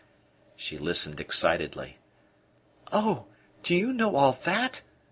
She listened excitedly. "Oh, do you know all that?"